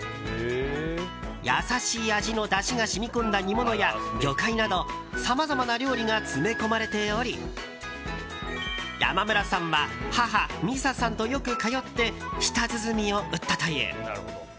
優しい味のだしが染み込んだ煮物や魚介などさまざまな料理が詰め込まれており山村さんは母・美紗さんとよく通って舌鼓を打ったという。